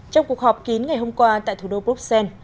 trong cuộc họp kín ngày hôm qua tại thủ đô bruxelles